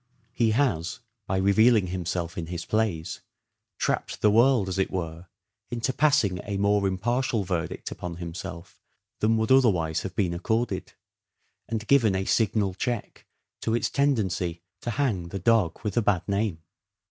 He has, by revealing himself in his plays, trapped the world, as it were, into passing a more impartial verdict upon himself than would otherwise have been accorded, and given a signal check to its tendency to hang the dog with a bad name.